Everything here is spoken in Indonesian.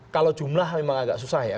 kalau jumlah memang agak susah ya